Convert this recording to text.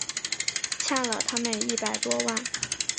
欠了他们一百多万